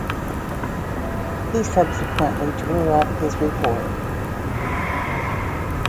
He subsequently drew up his report.